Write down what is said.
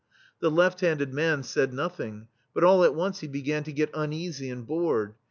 The left handed man said nothing, but all at once he began to get uneasy and bored.